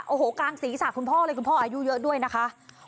โอ้โหกลางศีรษะคุณพ่อเลยคุณพ่ออายุเยอะด้วยนะคะ